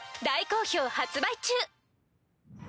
大好評発売中！